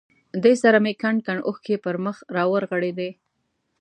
دې سره مې کنډ کنډ اوښکې پر مخ را ورغړېدې.